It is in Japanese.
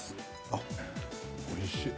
あっおいしい。